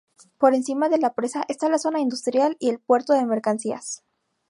Por encima de la presa está la zona industrial y el puerto de mercancías.